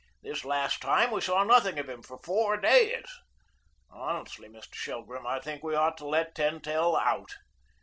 This last time we saw nothing of him for four days. Honestly, Mr. Shelgrim, I think we ought to let Tentell out.